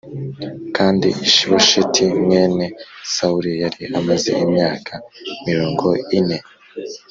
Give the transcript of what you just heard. Kandi Ishibosheti mwene Sawuli yari amaze imyaka mirongo ine